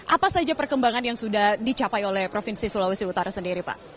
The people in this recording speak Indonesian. apa saja perkembangan yang sudah dicapai oleh provinsi sulawesi utara sendiri pak